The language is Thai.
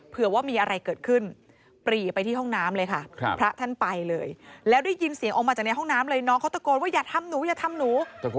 เผื่อว่ามีอะไรเกิดขึ้นปรีไปที่ห้องน้ำเลยค่ะพระท่านไปเลยแล้วได้ยินเสียงออกมาจากในห้องน้ำเลยน้องเขาตะโกนว่าอย่าทำหนูอย่าทำหนู